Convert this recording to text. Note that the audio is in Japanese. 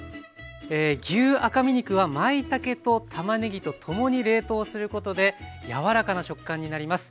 牛赤身肉はまいたけとたまねぎとともに冷凍することで柔らかな食感になります。